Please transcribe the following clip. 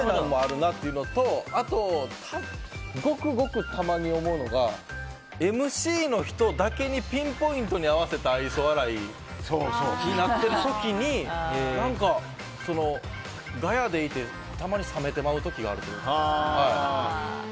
あと、ごくごくたまに思うのがＭＣの人だけにピンポイントに合わせた愛想笑いになってる時に何か、ガヤでいてたまに冷めてまう時があるというか。